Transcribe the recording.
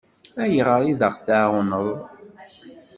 Ayɣer i d-aɣ-tɛawneḍ?